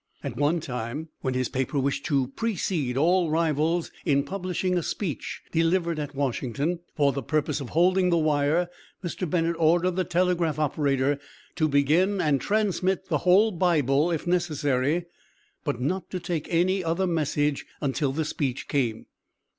At one time when his paper wished to precede all rivals in publishing a speech delivered at Washington, for the purpose of holding the wire, Mr. Bennett ordered the telegraph operator to begin and transmit the whole Bible if necessary, but not to take any other message until the speech came.